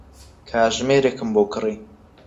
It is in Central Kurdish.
کاتژمێرێکم بۆ کڕی.